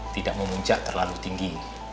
tidak memuncak terlalu tinggi